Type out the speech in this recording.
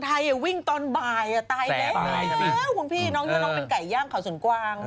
ไทยวิ่งตอนบ่ายตายแล้วคุณพี่น้องยังเป็นไก่ย่างขาวส่วนกว้าง